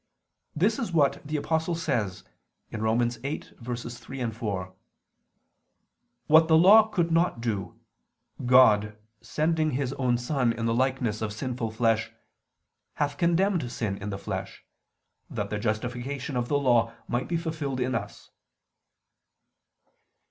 This is what the Apostle says (Rom. 8:3, 4): "What the Law could not do ... God sending His own Son in the likeness of sinful flesh ... hath condemned sin in the flesh, that the justification of the Law might be fulfilled in us."